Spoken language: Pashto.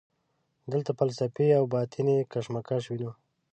دلته فلسفي او باطني کشمکش وینو.